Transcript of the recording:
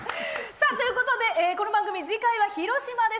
ということで、この番組次回は広島からです。